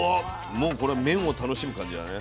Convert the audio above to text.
もうこれは麺を楽しむ感じだね。